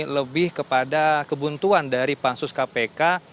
lebih kepada kebuntuan dari pansus kpk